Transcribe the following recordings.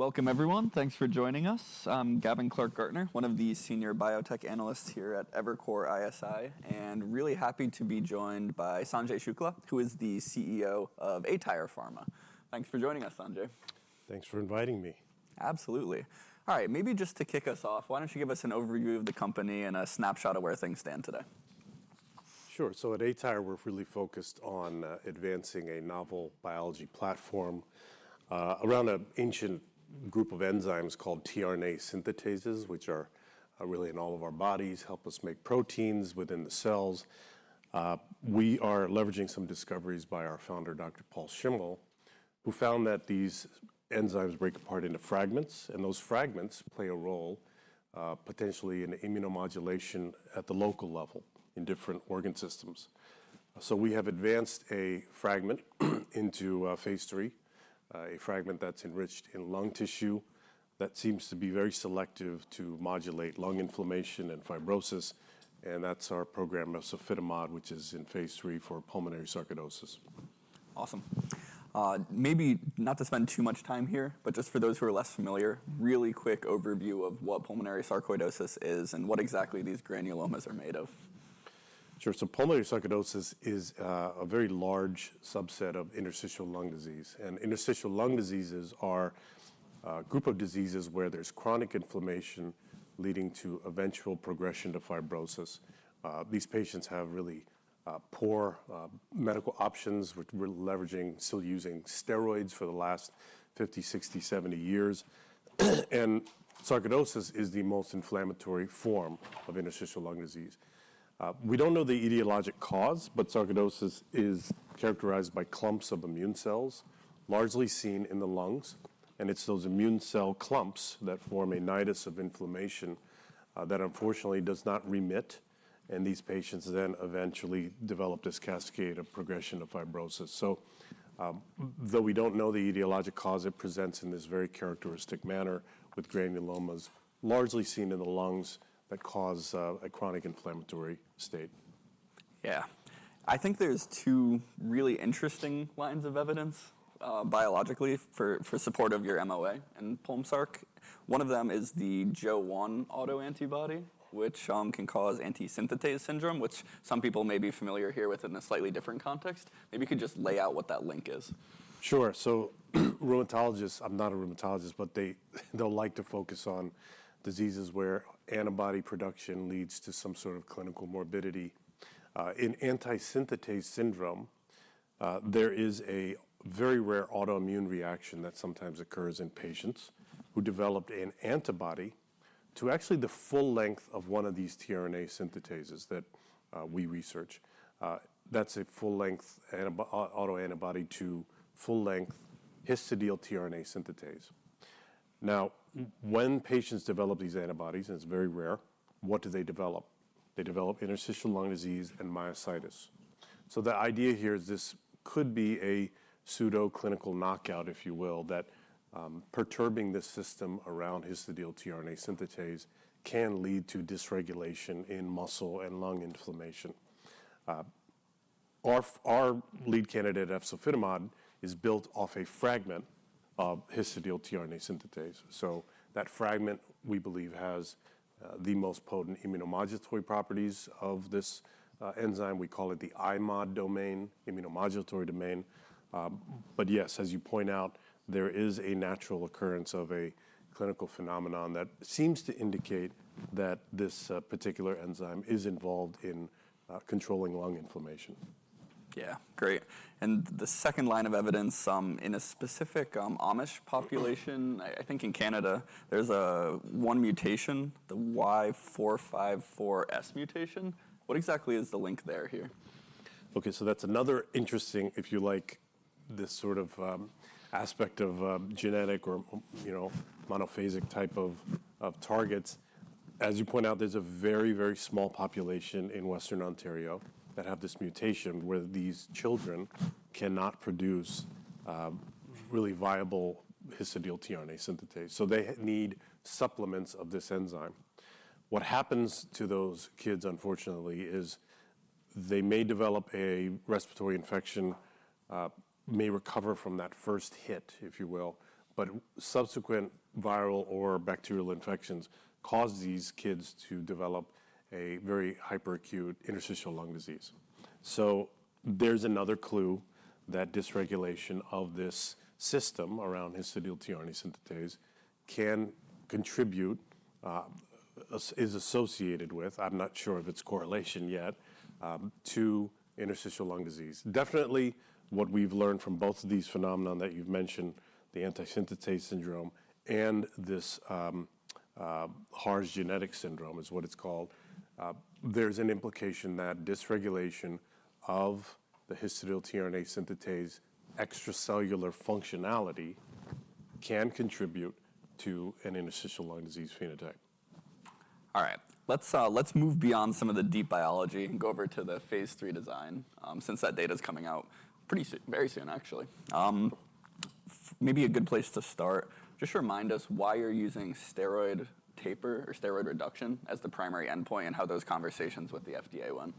Welcome, everyone. Thanks for joining us. I'm Gavin Clark-Gartner, one of the Senior Biotech Analysts here at Evercore ISI, and really happy to be joined by Sanjay Shukla, who is the CEO of aTyr Pharma. Thanks for joining us, Sanjay. Thanks for inviting me. Absolutely. All right, maybe just to kick us off, why don't you give us an overview of the company and a snapshot of where things stand today? Sure. So at aTyr, we're really focused on advancing a novel biology platform around an ancient group of enzymes called tRNA synthetases, which are really in all of our bodies, help us make proteins within the cells. We are leveraging some discoveries by our founder, Dr. Paul Schimmel, who found that these enzymes break apart into fragments, and those fragments play a role, potentially, in immunomodulation at the local level in different organ systems. So we have advanced a fragment into phase three, a fragment that's enriched in lung tissue that seems to be very selective to modulate lung inflammation and fibrosis, and that's our program, efzofitimod, which is in phase three for pulmonary sarcoidosis. Awesome. Maybe not to spend too much time here, but just for those who are less familiar, really quick overview of what pulmonary sarcoidosis is and what exactly these granulomas are made of. Sure, so pulmonary sarcoidosis is a very large subset of interstitial lung disease, and interstitial lung diseases are a group of diseases where there's chronic inflammation leading to eventual progression to fibrosis. These patients have really poor medical options, which we're leveraging, still using steroids for the last 50, 60, 70 years, and sarcoidosis is the most inflammatory form of interstitial lung disease. We don't know the etiologic cause, but sarcoidosis is characterized by clumps of immune cells largely seen in the lungs, and it's those immune cell clumps that form a nidus of inflammation that, unfortunately, does not remit, and these patients then eventually develop this cascade of progression to fibrosis, so though we don't know the etiologic cause, it presents in this very characteristic manner with granulomas largely seen in the lungs that cause a chronic inflammatory state. Yeah. I think there's two really interesting lines of evidence biologically for support of your MOA and pulm sarc. One of them is the Jo-1 autoantibody, which can cause anti-synthetase syndrome, which some people may be familiar here with in a slightly different context. Maybe you could just lay out what that link is. Sure. So rheumatologists (I'm not a rheumatologist) but they'll like to focus on diseases where antibody production leads to some sort of clinical morbidity. In anti-synthetase syndrome, there is a very rare autoimmune reaction that sometimes occurs in patients who developed an antibody to actually the full length of one of these tRNA synthetases that we research. That's a full-length autoantibody to full-length histidyl-tRNA synthetase. Now, when patients develop these antibodies, and it's very rare, what do they develop? They develop interstitial lung disease and myositis. So the idea here is this could be a pseudoclinical knockout, if you will, that perturbing the system around histidyl-tRNA synthetase can lead to dysregulation in muscle and lung inflammation. Our lead candidate of efzofitimod is built off a fragment of histidyl-tRNA synthetase. So that fragment, we believe, has the most potent immunomodulatory properties of this enzyme. We call it the IMOD domain, immunomodulatory domain. But yes, as you point out, there is a natural occurrence of a clinical phenomenon that seems to indicate that this particular enzyme is involved in controlling lung inflammation. Yeah, great. And the second line of evidence in a specific Amish population, I think in Canada, there's one mutation, the Y454S mutation. What exactly is the link there here? OK, so that's another interesting, if you like, this sort of aspect of genetic or monophasic type of targets. As you point out, there's a very, very small population in Western Ontario that have this mutation where these children cannot produce really viable histidyl-tRNA synthetase. So they need supplements of this enzyme. What happens to those kids, unfortunately, is they may develop a respiratory infection, may recover from that first hit, if you will, but subsequent viral or bacterial infections cause these kids to develop a very hyperacute interstitial lung disease. So there's another clue that dysregulation of this system around histidyl-tRNA synthetase can contribute, is associated with (I'm not sure of its correlation yet) to interstitial lung disease. Definitely, what we've learned from both of these phenomena that you've mentioned, the anti-synthetase syndrome and this HARS genetic syndrome, is what it's called. There's an implication that dysregulation of the histidyl-tRNA synthetase extracellular functionality can contribute to an interstitial lung disease phenotype. All right. Let's move beyond some of the deep biology and go over to the phase 3 design, since that data is coming out pretty soon, very soon, actually. Maybe a good place to start, just remind us why you're using steroid taper or steroid reduction as the primary endpoint and how those conversations with the FDA went.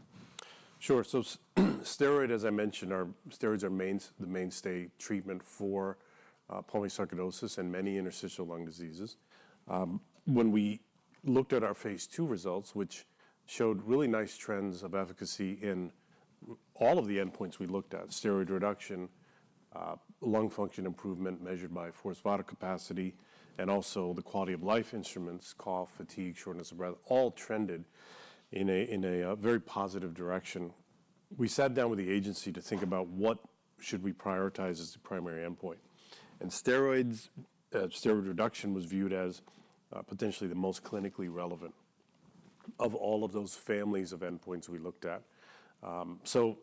Sure. So steroids, as I mentioned, are the mainstay treatment for pulmonary sarcoidosis and many interstitial lung diseases. When we looked at our phase 2 results, which showed really nice trends of efficacy in all of the endpoints we looked at, steroid reduction, lung function improvement measured by forced vital capacity, and also the quality of life instruments, cough, fatigue, shortness of breath, all trended in a very positive direction. We sat down with the agency to think about what should we prioritize as the primary endpoint. And steroids, steroid reduction was viewed as potentially the most clinically relevant of all of those families of endpoints we looked at. So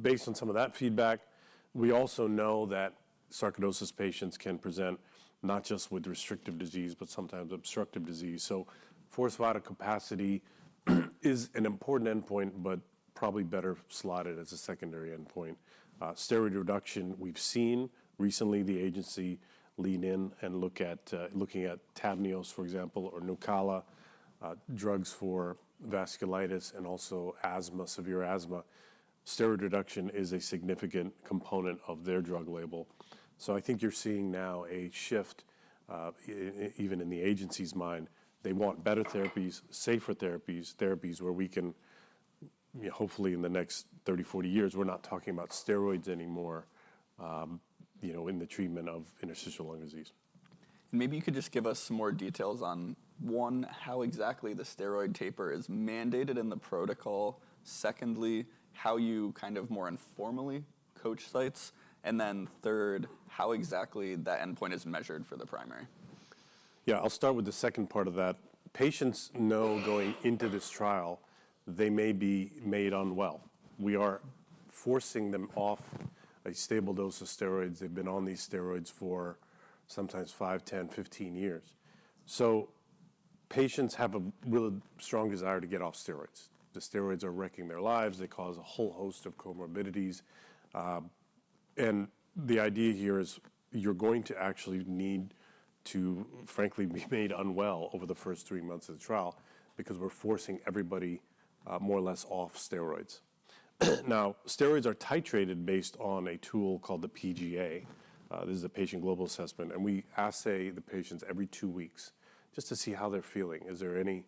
based on some of that feedback, we also know that sarcoidosis patients can present not just with restrictive disease, but sometimes obstructive disease. So forced vital capacity is an important endpoint, but probably better slotted as a secondary endpoint. Steroid reduction, we've seen recently the agency lean in and look at Tavneos, for example, or Nucala, drugs for vasculitis and also asthma, severe asthma. Steroid reduction is a significant component of their drug label. So I think you're seeing now a shift, even in the agency's mind. They want better therapies, safer therapies, therapies where we can, hopefully, in the next 30, 40 years, we're not talking about steroids anymore in the treatment of interstitial lung disease. Maybe you could just give us some more details on one, how exactly the steroid taper is mandated in the protocol. Secondly, how you kind of more informally coach sites. And then third, how exactly that endpoint is measured for the primary. Yeah, I'll start with the second part of that. Patients know going into this trial, they may be made unwell. We are forcing them off a stable dose of steroids. They've been on these steroids for sometimes five, 10, 15 years. So patients have a really strong desire to get off steroids. The steroids are wrecking their lives. They cause a whole host of comorbidities. And the idea here is you're going to actually need to, frankly, be made unwell over the first three months of the trial because we're forcing everybody more or less off steroids. Now, steroids are titrated based on a tool called the PGA. This is a Patient Global Assessment. And we assay the patients every two weeks just to see how they're feeling. Is there any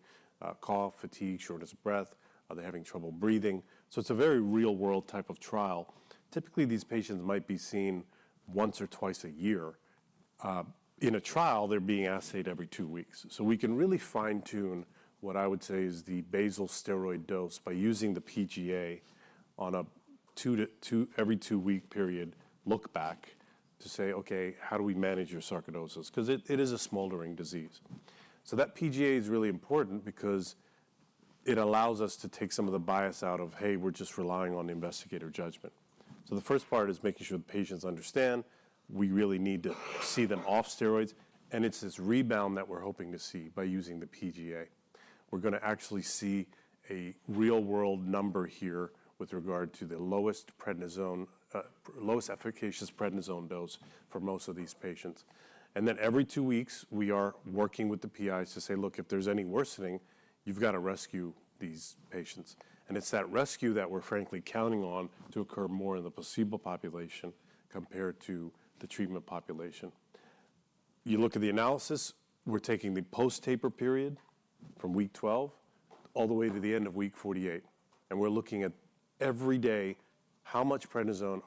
cough, fatigue, shortness of breath? Are they having trouble breathing? So it's a very real-world type of trial. Typically, these patients might be seen once or twice a year. In a trial, they're being assayed every two weeks. So we can really fine-tune what I would say is the basal steroid dose by using the PGA on a two-to-every two-week period look-back to say, OK, how do we manage your sarcoidosis? Because it is a smoldering disease. So that PGA is really important because it allows us to take some of the bias out of, hey, we're just relying on investigator judgment. So the first part is making sure the patients understand we really need to see them off steroids. And it's this rebound that we're hoping to see by using the PGA. We're going to actually see a real-world number here with regard to the lowest efficacious prednisone dose for most of these patients. And then every two weeks, we are working with the PIs to say, look, if there's any worsening, you've got to rescue these patients. And it's that rescue that we're, frankly, counting on to occur more in the placebo population compared to the treatment population. You look at the analysis. We're taking the post-taper period from week 12 all the way to the end of week 48. And we're looking at every day how much prednisone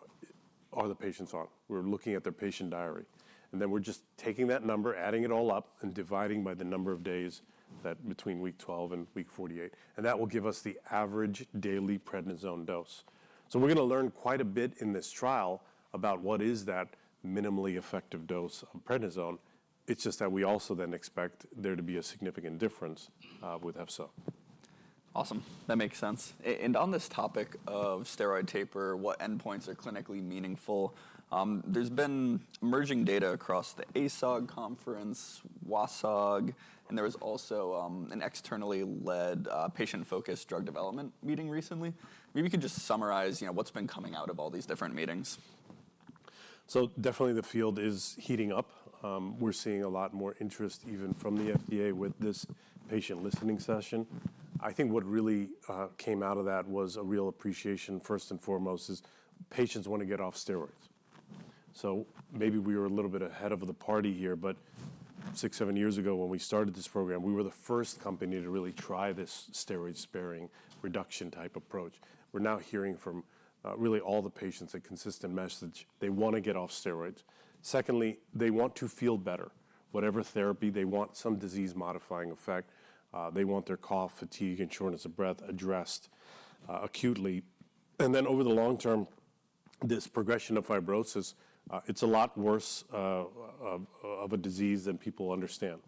are the patients on. We're looking at their patient diary. And then we're just taking that number, adding it all up, and dividing by the number of days between week 12 and week 48. And that will give us the average daily prednisone dose. So we're going to learn quite a bit in this trial about what is that minimally effective dose of prednisone. It's just that we also then expect there to be a significant difference with EFSO. Awesome. That makes sense. And on this topic of steroid taper, what endpoints are clinically meaningful? There's been emerging data across the ATS conference, WASOG, and there was also an externally-led patient-focused drug development meeting recently. Maybe you could just summarize what's been coming out of all these different meetings. So definitely the field is heating up. We're seeing a lot more interest, even from the FDA, with this patient listening session. I think what really came out of that was a real appreciation, first and foremost, is patients want to get off steroids. So maybe we were a little bit ahead of the party here, but six, seven years ago, when we started this program, we were the first company to really try this steroid-sparing reduction type approach. We're now hearing from really all the patients a consistent message. They want to get off steroids. Secondly, they want to feel better. Whatever therapy, they want some disease-modifying effect. They want their cough, fatigue, and shortness of breath addressed acutely. And then over the long term, this progression of fibrosis, it's a lot worse of a disease than people understand.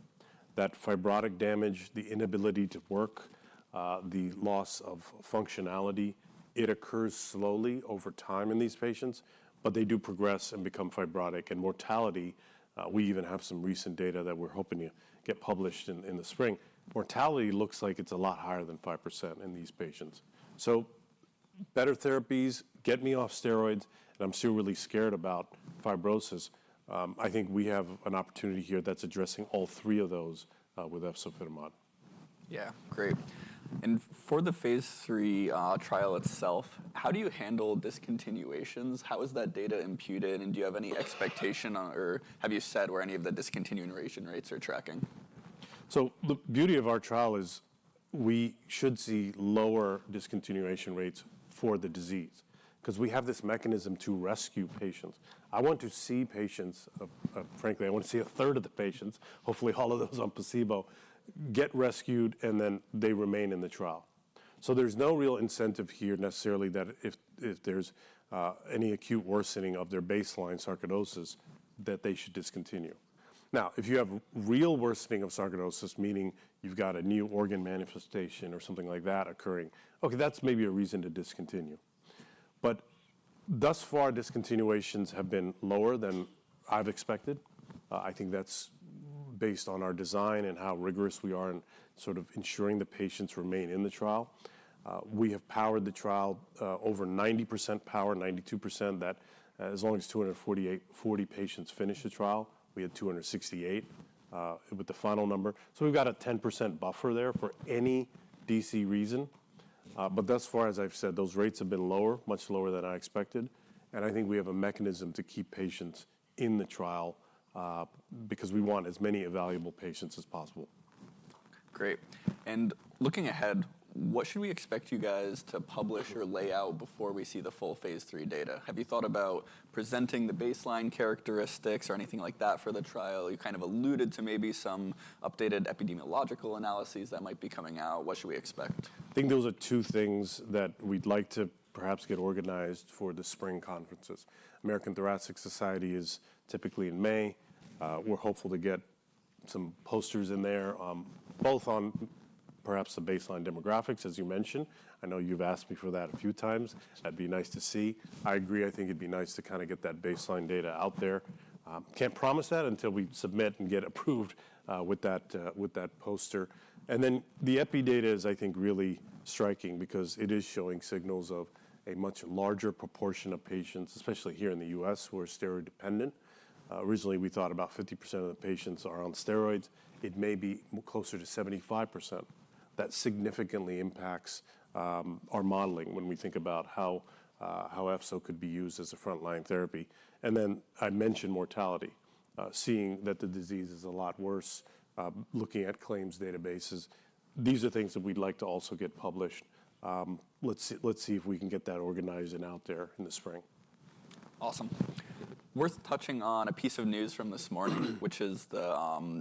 That fibrotic damage, the inability to work, the loss of functionality, it occurs slowly over time in these patients, but they do progress and become fibrotic. And mortality, we even have some recent data that we're hoping to get published in the spring. Mortality looks like it's a lot higher than 5% in these patients. So better therapies, get me off steroids, and I'm still really scared about fibrosis. I think we have an opportunity here that's addressing all three of those with efzofitimod. Yeah, great. And for the phase 3 trial itself, how do you handle discontinuations? How is that data imputed? And do you have any expectation, or have you said where any of the discontinuation rates are tracking? So the beauty of our trial is we should see lower discontinuation rates for the disease because we have this mechanism to rescue patients. I want to see patients, frankly, I want to see a third of the patients, hopefully all of those on placebo, get rescued, and then they remain in the trial. So there's no real incentive here necessarily that if there's any acute worsening of their baseline sarcoidosis, that they should discontinue. Now, if you have real worsening of sarcoidosis, meaning you've got a new organ manifestation or something like that occurring, OK, that's maybe a reason to discontinue. But thus far, discontinuations have been lower than I've expected. I think that's based on our design and how rigorous we are in sort of ensuring the patients remain in the trial. We have powered the trial over 90% power, 92%, that as long as 240 patients finish the trial, we had 268 with the final number. So we've got a 10% buffer there for any DC reason. But thus far, as I've said, those rates have been lower, much lower than I expected. And I think we have a mechanism to keep patients in the trial because we want as many valuable patients as possible. Great. And looking ahead, what should we expect you guys to publish or lay out before we see the full phase 3 data? Have you thought about presenting the baseline characteristics or anything like that for the trial? You kind of alluded to maybe some updated epidemiological analyses that might be coming out. What should we expect? I think those are two things that we'd like to perhaps get organized for the spring conferences. American Thoracic Society is typically in May. We're hopeful to get some posters in there, both on perhaps the baseline demographics, as you mentioned. I know you've asked me for that a few times. That'd be nice to see. I agree. I think it'd be nice to kind of get that baseline data out there. Can't promise that until we submit and get approved with that poster, and then the EPI data is, I think, really striking because it is showing signals of a much larger proportion of patients, especially here in the U.S., who are steroid dependent. Originally, we thought about 50% of the patients are on steroids. It may be closer to 75%. That significantly impacts our modeling when we think about how EFSO could be used as a frontline therapy. Then I mentioned mortality, seeing that the disease is a lot worse, looking at claims databases. These are things that we'd like to also get published. Let's see if we can get that organized and out there in the spring. Awesome. Worth touching on a piece of news from this morning, which is the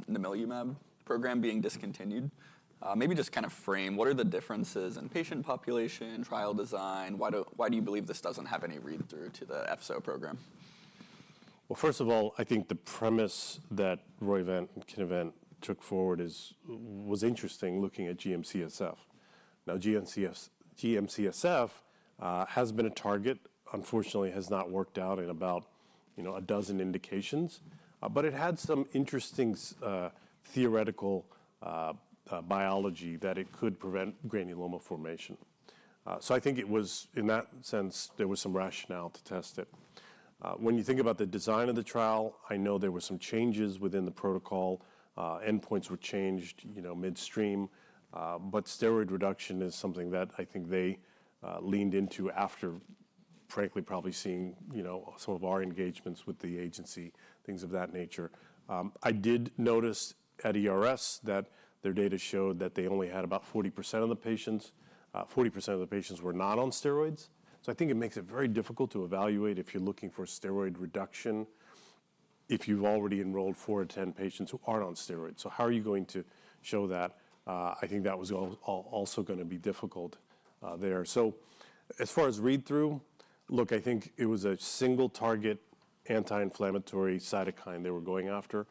namilumab program being discontinued. Maybe just kind of frame, what are the differences in patient population, trial design? Why do you believe this doesn't have any read-through to the EFSO program? First of all, I think the premise that Kinevant took forward was interesting looking at GM-CSF. Now, GM-CSF has been a target. Unfortunately, it has not worked out in about a dozen indications. But it had some interesting theoretical biology that it could prevent granuloma formation. So I think it was, in that sense, there was some rationale to test it. When you think about the design of the trial, I know there were some changes within the protocol. Endpoints were changed midstream. But steroid reduction is something that I think they leaned into after, frankly, probably seeing some of our engagements with the agency, things of that nature. I did notice at ERS that their data showed that they only had about 40% of the patients, 40% of the patients were not on steroids. So I think it makes it very difficult to evaluate if you're looking for steroid reduction if you've already enrolled four or 10 patients who aren't on steroids. So how are you going to show that? I think that was also going to be difficult there. So as far as read-through, look, I think it was a single-target anti-inflammatory cytokine they were going after.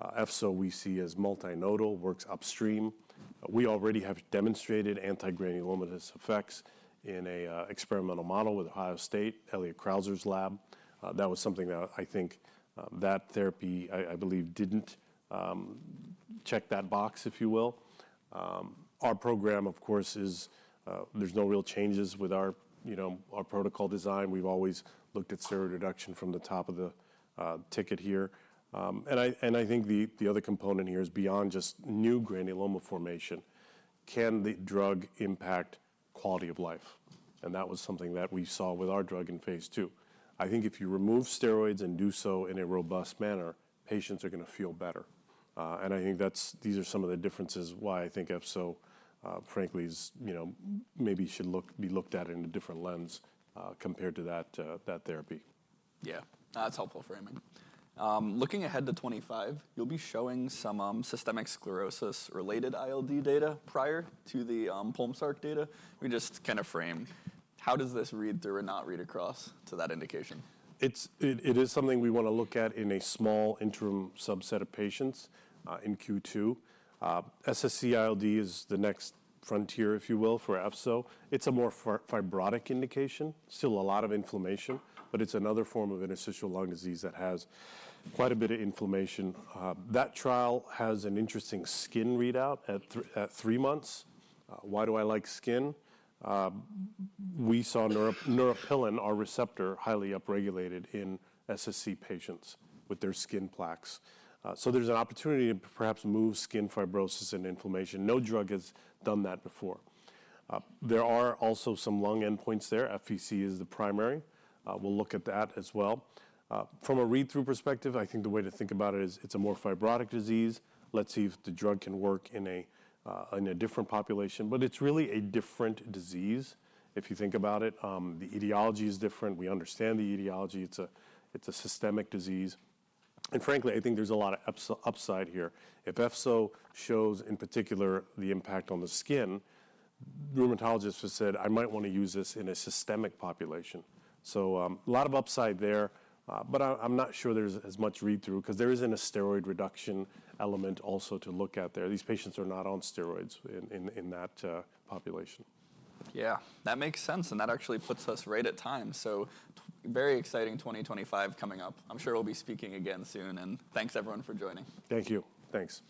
EFSO we see as multinodal, works upstream. We already have demonstrated anti-granulomatous effects in an experimental model with Ohio State, Elliott Crouser's lab. That was something that I think that therapy, I believe, didn't check that box, if you will. Our program, of course, there's no real changes with our protocol design. We've always looked at steroid reduction from the top of the ticket here. And I think the other component here is beyond just new granuloma formation. Can the drug impact quality of life? That was something that we saw with our drug in phase 2. I think if you remove steroids and do so in a robust manner, patients are going to feel better. I think these are some of the differences why I think EFSO, frankly, maybe should be looked at in a different lens compared to that therapy. Yeah, that's helpful framing. Looking ahead to 2025, you'll be showing some systemic sclerosis-related ILD data prior to the pulmonary sarcoidosis data. We just kind of frame. How does this read through or not read across to that indication? It is something we want to look at in a small interim subset of patients in Q2. SSc-ILD is the next frontier, if you will, for EFSO. It's a more fibrotic indication. Still a lot of inflammation, but it's another form of interstitial lung disease that has quite a bit of inflammation. That trial has an interesting skin readout at three months. Why do I like skin? We saw neuropilin, our receptor, highly upregulated in SSc patients with their skin plaques. So there's an opportunity to perhaps move skin fibrosis and inflammation. No drug has done that before. There are also some lung endpoints there. FVC is the primary. We'll look at that as well. From a read-through perspective, I think the way to think about it is it's a more fibrotic disease. Let's see if the drug can work in a different population. But it's really a different disease if you think about it. The etiology is different. We understand the etiology. It's a systemic disease. And frankly, I think there's a lot of upside here. If EFSO shows, in particular, the impact on the skin, rheumatologists have said, I might want to use this in a systemic population. So a lot of upside there. But I'm not sure there's as much read-through because there isn't a steroid reduction element also to look at there. These patients are not on steroids in that population. Yeah, that makes sense. And that actually puts us right at time. So very exciting 2025 coming up. I'm sure we'll be speaking again soon. And thanks, everyone, for joining. Thank you. Thanks.